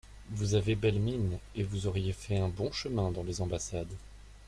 Vous avez belle mine, et vous auriez fait un bon chemin dans les ambassades.